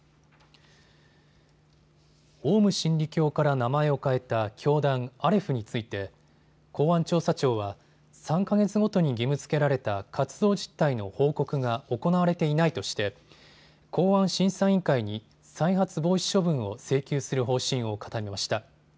オウム真理教から名前を変えた教団、アレフについて公安調査庁は３か月ごとに義務づけられた活動実態の報告が行われていないとして公安審査委員会に再発防止処分を請求する方針を固めました。